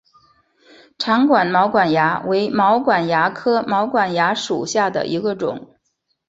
长管毛管蚜为毛管蚜科毛管蚜属下的一个种。